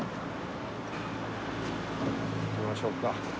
行きましょうか。